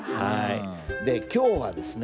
で今日はですね